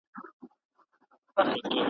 بیا به پیر د خُم له څنګه پر سر اړوي جامونه `